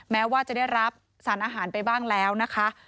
แม้ว่าจะได้รับสารอาหารไปบ้างแล้วนะคะ